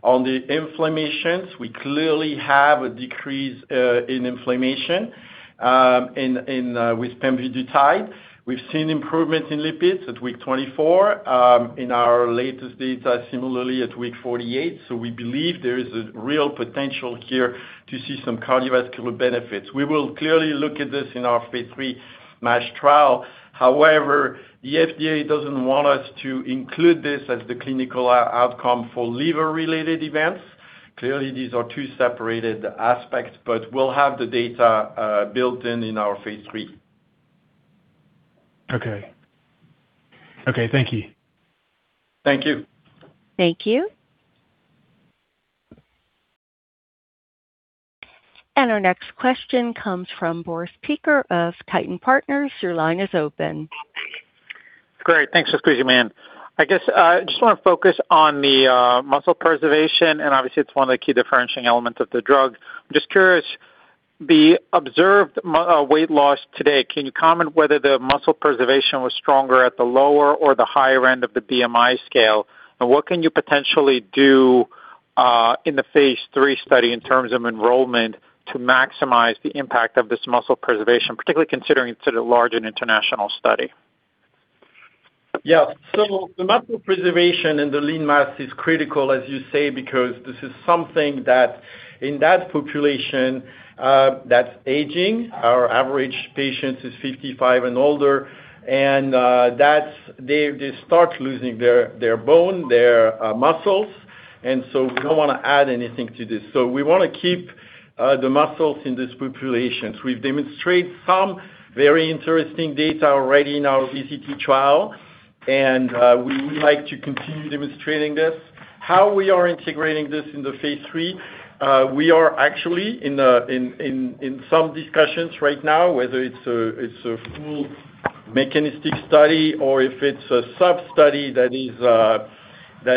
On the inflammations, we clearly have a decrease in inflammation with pemvidutide. We've seen improvements in lipids at week 24 in our latest data, similarly at week 48. We believe there is a real potential here to see some cardiovascular benefits. We will clearly look at this in our phase III MASH trial. The FDA doesn't want us to include this as the clinical outcome for liver-related events. These are two separated aspects, we'll have the data built in in our phase III. Okay. Okay, thank you. Thank you. Thank you. Our next question comes from Boris Peaker of Titan Partners. Your line is open. Great. Thanks, squeezy man. I guess, just wanna focus on the muscle preservation, and obviously, it's one of the key differentiating elements of the drug. I'm just curious, the observed weight loss today, can you comment whether the muscle preservation was stronger at the lower or the higher end of the BMI scale? What can you potentially do in the phase III study in terms of enrollment to maximize the impact of this muscle preservation, particularly considering it's at a large and international study? Yeah. The muscle preservation and the lean mass is critical, as you say, because this is something that in that population that's aging, our average patient is 55 and older, and that's. They start losing their bone, their muscles. We don't wanna add anything to this. We wanna keep the muscles in these populations. We've demonstrate some very interesting data already in our obesity trial. We would like to continue demonstrating this. How we are integrating this in the phase III, we are actually in some discussions right now, whether it's a full mechanistic study or if it's a sub-study that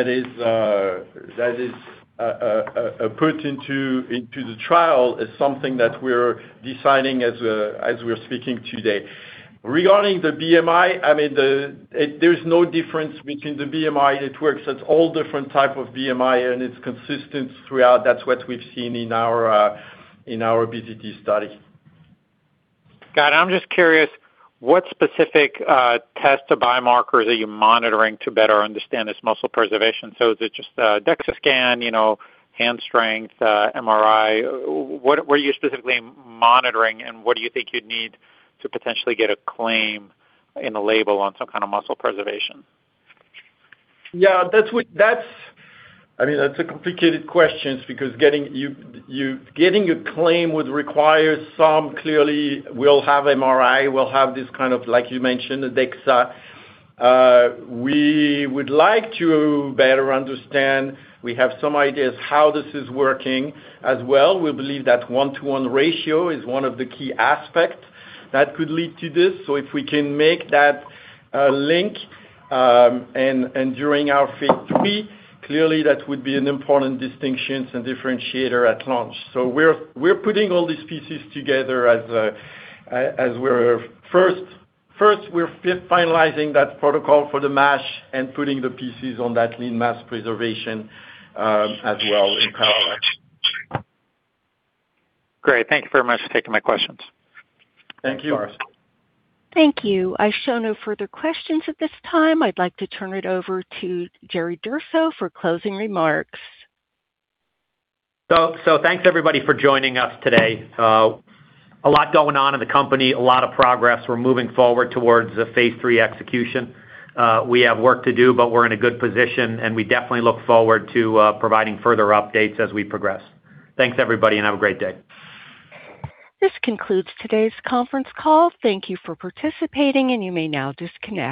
is put into the trial is something that we're deciding as we're speaking today. Regarding the BMI, I mean, There's no difference between the BMI. It works at all different type of BMI, and it's consistent throughout. That's what we've seen in our in our obesity study. Got it. I'm just curious, what specific test to biomarkers are you monitoring to better understand this muscle preservation? Is it just a DEXA scan, you know, hand strength, MRI? What are you specifically monitoring, and what do you think you'd need to potentially get a claim in the label on some kind of muscle preservation? Yeah, That's I mean, that's a complicated questions because getting you getting a claim would require some. Clearly we'll have MRI, we'll have this kind of like you mentioned, the DEXA. We would like to better understand. We have some ideas how this is working as well. We believe that one-to-one ratio is one of the key aspect that could lead to this. If we can make that link, and during our phase III, clearly that would be an important distinctions and differentiator at launch. We're putting all these pieces together as we're first finalizing that protocol for the MASH and putting the pieces on that lean mass preservation as well in parallel. Great. Thank you very much for taking my questions. Thank you. Of course. Thank you. I show no further questions at this time. I'd like to turn it over to Jerry Durso for closing remarks. Thanks everybody for joining us today. A lot going on in the company, a lot of progress. We're moving forward towards the phase III execution. We have work to do, but we're in a good position, and we definitely look forward to providing further updates as we progress. Thanks, everybody, and have a great day. This concludes today's conference call. Thank you for participating. You may now disconnect.